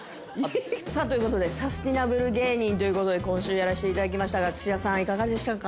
さあということでサスティナブル芸人ということで今週やらせていただきましたが土田さんいかがでしたか？